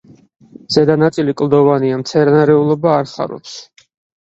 ზედა ნაწილი კლდოვანია, მცენარეულობა არ ხარობს.